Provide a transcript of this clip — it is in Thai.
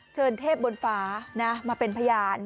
เชิญเทพบนฟ้ามาเป็นพยาน